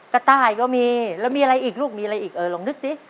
ใต้ก็มีแล้วมีอะไรอีกลูกมีอะไรอีกเออลองนึกสิ